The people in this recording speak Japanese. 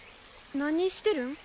何してるん。